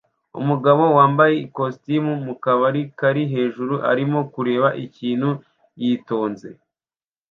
Umugabo wambaye ikositimu mu kabari kari hejuru arimo kureba ikintu yitonze